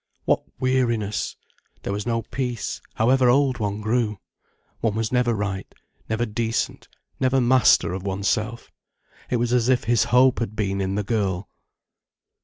What weariness! There was no peace, however old one grew! One was never right, never decent, never master of oneself. It was as if his hope had been in the girl.